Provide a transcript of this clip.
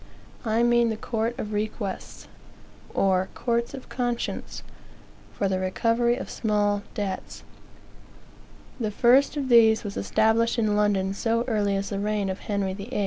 I mean the court of requests, or courts of conscience, for the recovery of small debts. The first of these was established in London so early as the reign of Henry VIII.